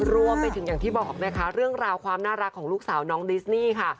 รวมไปถึงอย่างที่บอกนะคะเรื่องราวความน่ารักของลูกสาวน้องดิสนี่ค่ะ